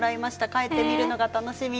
帰って見るのが楽しみ。